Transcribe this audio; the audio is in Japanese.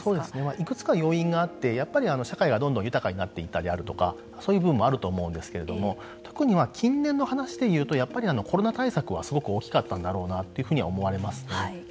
いくつか要因があってやっぱり社会が、どんどん豊かになっていったであるとかそういう部分もあると思うんですけれども特には近年の話で言うとやっぱりコロナ対策はすごく大きかったんだろうなというふうには思われますね。